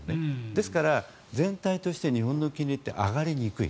ですから、全体として日本の金利って上がりにくい。